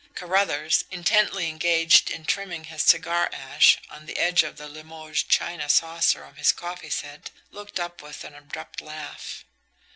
Carruthers, intently engaged in trimming his cigar ash on the edge of the Limoges china saucer of his coffee set, looked up with an abrupt laugh.